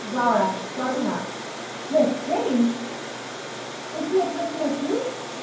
Zara [starting up]. L'Estrange! Is he a prisoner too?